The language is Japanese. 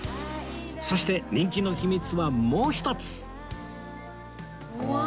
そして人気の秘密はもう一つうわ！